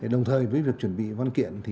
đồng thời với việc chuẩn bị văn kiện